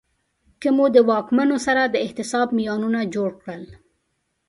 که مو د واکمنانو سره د احتساب معیارونه جوړ کړل